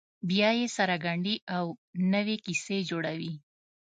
بیا یې سره ګنډي او نوې کیسې جوړوي.